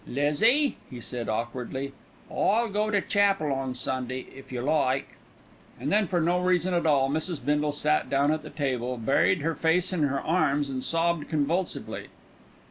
"Lizzie," he said awkwardly, "I'll go to chapel on Sunday if you like." And then for no reason at all Mrs. Bindle sat down at the table, buried her face in her arms and sobbed convulsively.